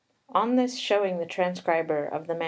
] On this showing the transcriber of the MS.